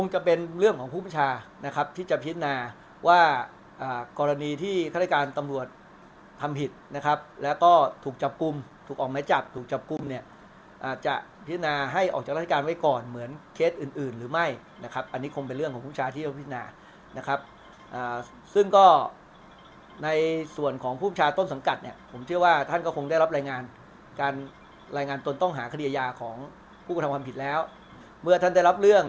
คงจะเป็นเรื่องของผู้ประชานะครับที่จะพิจารณาว่ากรณีที่ราชการตำรวจทำผิดนะครับแล้วก็ถูกจับกุมถูกออกไม้จับถูกจับกุมเนี่ยอาจจะพิจารณาให้ออกจากราชการไว้ก่อนเหมือนเคสอื่นหรือไม่นะครับอันนี้คงเป็นเรื่องของผู้ประชาที่จะพิจารณานะครับซึ่งก็ในส่วนของผู้ประชาต้นสังกัดเนี่ยผมเชื่อว่าท่านก็คงได